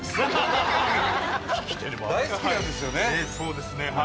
そうですね、はい。